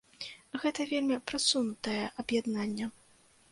Гэта вельмі прасунутае аб'яднанне.